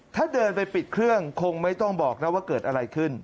ถ้าเดินไปปิดเครื่องคงไม่ต้องบอกนะว่าเกิดอะไรขึ้น